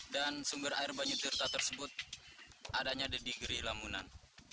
dan sumber air banyutirta tersebut adanya di negeri lamunan